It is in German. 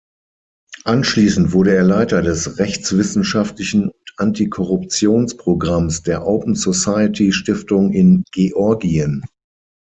Anschließend wurde er Leiter des rechtswissenschaftlichen und Anti-Korruptions-Programms der "Open Society Stiftung" in Georgien.